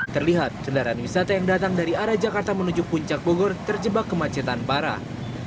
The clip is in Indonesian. terlihat kendaraan wisata yang datang dari arah jakarta menuju puncak bogor terjebak kemacetan parah